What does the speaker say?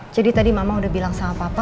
jadi tadi mama udah bilang sama papa